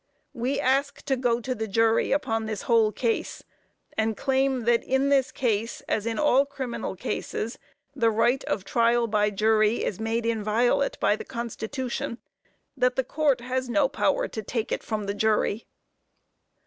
We ask to go to the jury upon this whole case, and claim that in this case, as in all criminal cases, the right of trial by jury is made inviolate by the constitution that the Court has no power to take it from the jury.